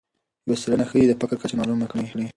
یوه څېړنه ښایي د فقر کچه معلومه کړي.